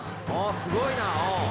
すごいな。